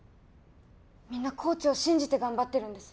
みんなコーチを信じて頑張ってるんです。